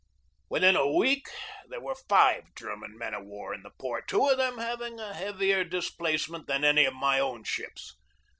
Within a week there were five German men of war in the port, two of them having a heavier dis placement than any of my own ships.